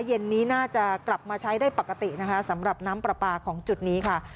เย็นนี้น่าจะกลับมาใช้ได้ปกตินะคะสำหรับน้ำปลาปลาของจุดนี้ค่ะ